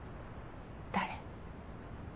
誰？